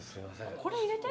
これ入れて？